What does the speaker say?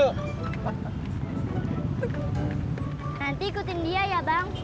nanti ikutin dia ya bang